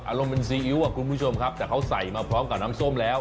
อารมณ์เป็นซีอิ๊วอ่ะคุณผู้ชมครับแต่เขาใส่มาพร้อมกับน้ำส้มแล้ว